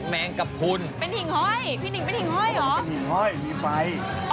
เป็นหินห้อยมีไฟ